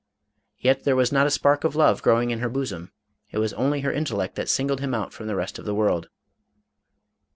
Yet there was not a spark of love glowing in her bosom — it was only her intellect that singled him out from the rest of the world.